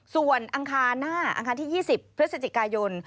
ส่วนอังคารหน้าอังคารที่๒๐พฤศจิกายน